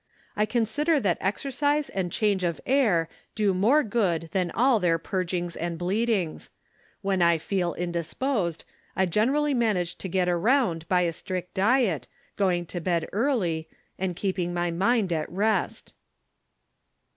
I consider that exercise and change of air do more good than all their purgings and bleed ings. When I feel indisposed, I generally manage to get around by a strict diet, going to bed early, and keeping my mind at rest."